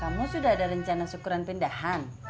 kamu sudah ada rencana syukuran pindahan